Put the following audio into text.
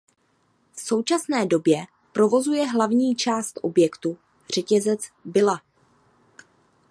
V současné době provozuje hlavní část objektu řetězec Billa.